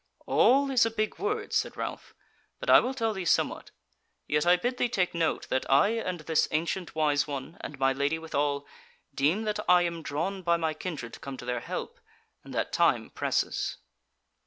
"'All' is a big word," said Ralph, "but I will tell thee somewhat. Yet I bid thee take note that I and this ancient wise one, and my Lady withal, deem that I am drawn by my kindred to come to their help, and that time presses."